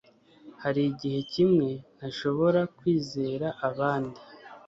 Hari igihe kimwe ntashobora kwizera abandi